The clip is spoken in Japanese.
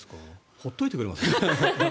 放っておいてくれます？